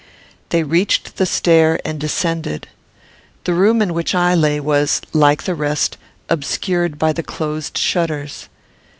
They reached the stair and descended. The room in which I lay was, like the rest, obscured by the closed shutters.